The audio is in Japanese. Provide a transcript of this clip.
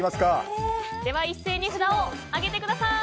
一斉に札を上げてください。